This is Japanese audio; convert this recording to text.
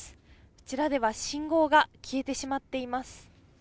こちらでは信号が消えてしまっています。